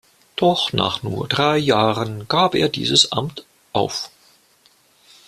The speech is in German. Doch nach nur drei Jahren gab es dieses Amt auf.